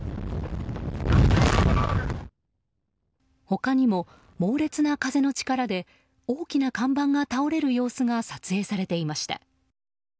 他にも猛烈な風の力で大きな看板が倒れる様子が撮影されていました。